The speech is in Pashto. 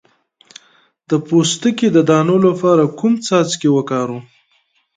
د پوستکي د دانو لپاره کوم څاڅکي وکاروم؟